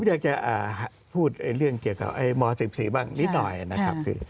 อยากจะพูดเรื่องเกี่ยวกับม๑๔บ้างนิดหน่อยนะครับ